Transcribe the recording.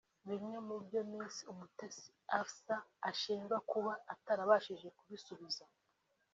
Bimwe mu byo Miss Umutesi Afsa ashinjwa kuba atarabashije kubisubiza